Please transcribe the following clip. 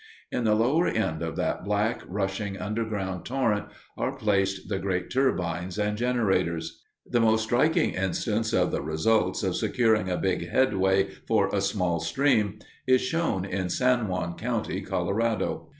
In the lower end of that black, rushing, underground torrent are placed the great turbines and generators. The most striking instance of the results of securing a big headway for a small stream is shown in San Juan County, Colorado.